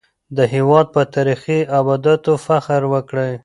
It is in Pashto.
د هېواد په تاريخي ابداتو فخر وکړئ.